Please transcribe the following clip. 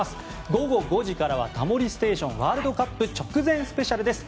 午後５時からは「タモリステーションワールドカップ直前ＳＰ」です。